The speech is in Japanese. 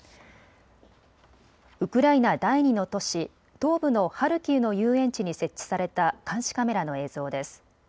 ウクライナ第２の都市、東部のハルキウの遊園地に設置された監視カメラの映像です。